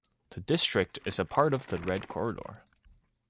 The District is a part of the Red Corridor.